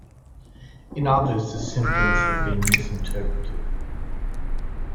In others, the symptoms have been misinterpreted.